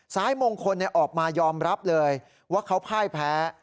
สายมงคลออกมายอมรับเลยว่าเขาพ่ายแพ้